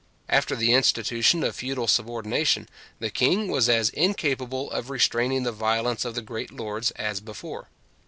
After the institution of feudal subordination, the king was as incapable of restraining the violence of the great lords as before.